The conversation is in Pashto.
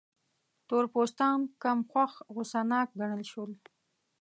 تور پوستان کم هوښ، غوسه ناک ګڼل شول.